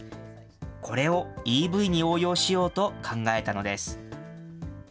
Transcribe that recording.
これをＥＶに応用しようと考えたのです。